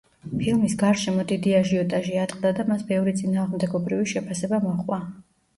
ფილმის გარშემო დიდი აჟიოტაჟი ატყდა და მას ბევრი წინააღმდეგობრივი შეფასება მოჰყვა.